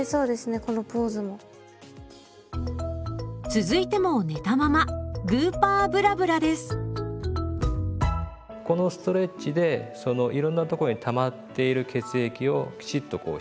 続いても寝たままこのストレッチでいろんなところにたまっている血液をきちっとこう